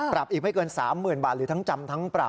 อีกไม่เกิน๓๐๐๐บาทหรือทั้งจำทั้งปรับ